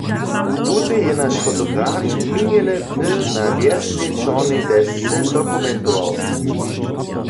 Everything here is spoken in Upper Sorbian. Tute je naš fotograf minjene dny na wjesnej čornej desce dokumentował.